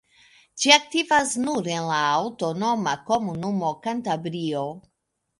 Ĝi aktivas nur en la aŭtonoma komunumo Kantabrio.